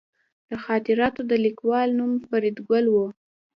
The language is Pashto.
د خاطراتو د لیکوال نوم فریدګل و